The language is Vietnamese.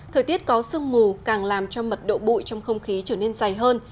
thời tiết có sương mù càng làm cho mật độ bụi trong không khí trở nên dày hơn